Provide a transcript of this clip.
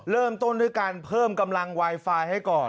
เริ่มต้นด้วยการเพิ่มกำลังไวไฟให้ก่อน